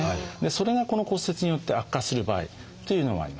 それがこの骨折によって悪化する場合というのがあります。